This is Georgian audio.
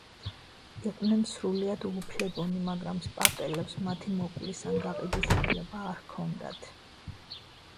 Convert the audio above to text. იყვნენ სრულიად უუფლებონი, მაგრამ სპარტელებს მათი მოკვლის ან გაყიდვის უფლება არ ჰქონდათ.